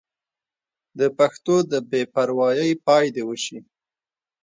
د پښتو د بې پروايۍ پای دې وشي.